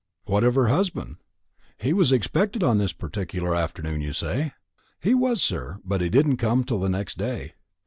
"What of her husband? He was expected on this particular afternoon, you say?" "He was, sir; but he did not come till the next day.